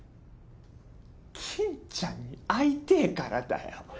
金ちゃんに会いてぇからだよ。